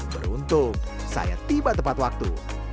beruntung saya tiba tepat waktu